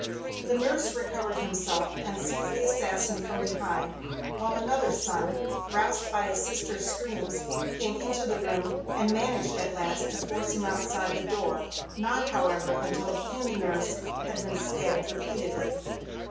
The nurse recovered himself and seized the assassin from behind, while another son, roused by his sister's screams, came into the room and managed at last to force him outside the door not, however, until he and the nurse had been stabbed repeatedly.